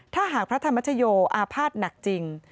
ถ้าหากพระธรรมชโยอาภาษณ์หนักจริง